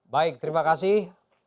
baik terima kasih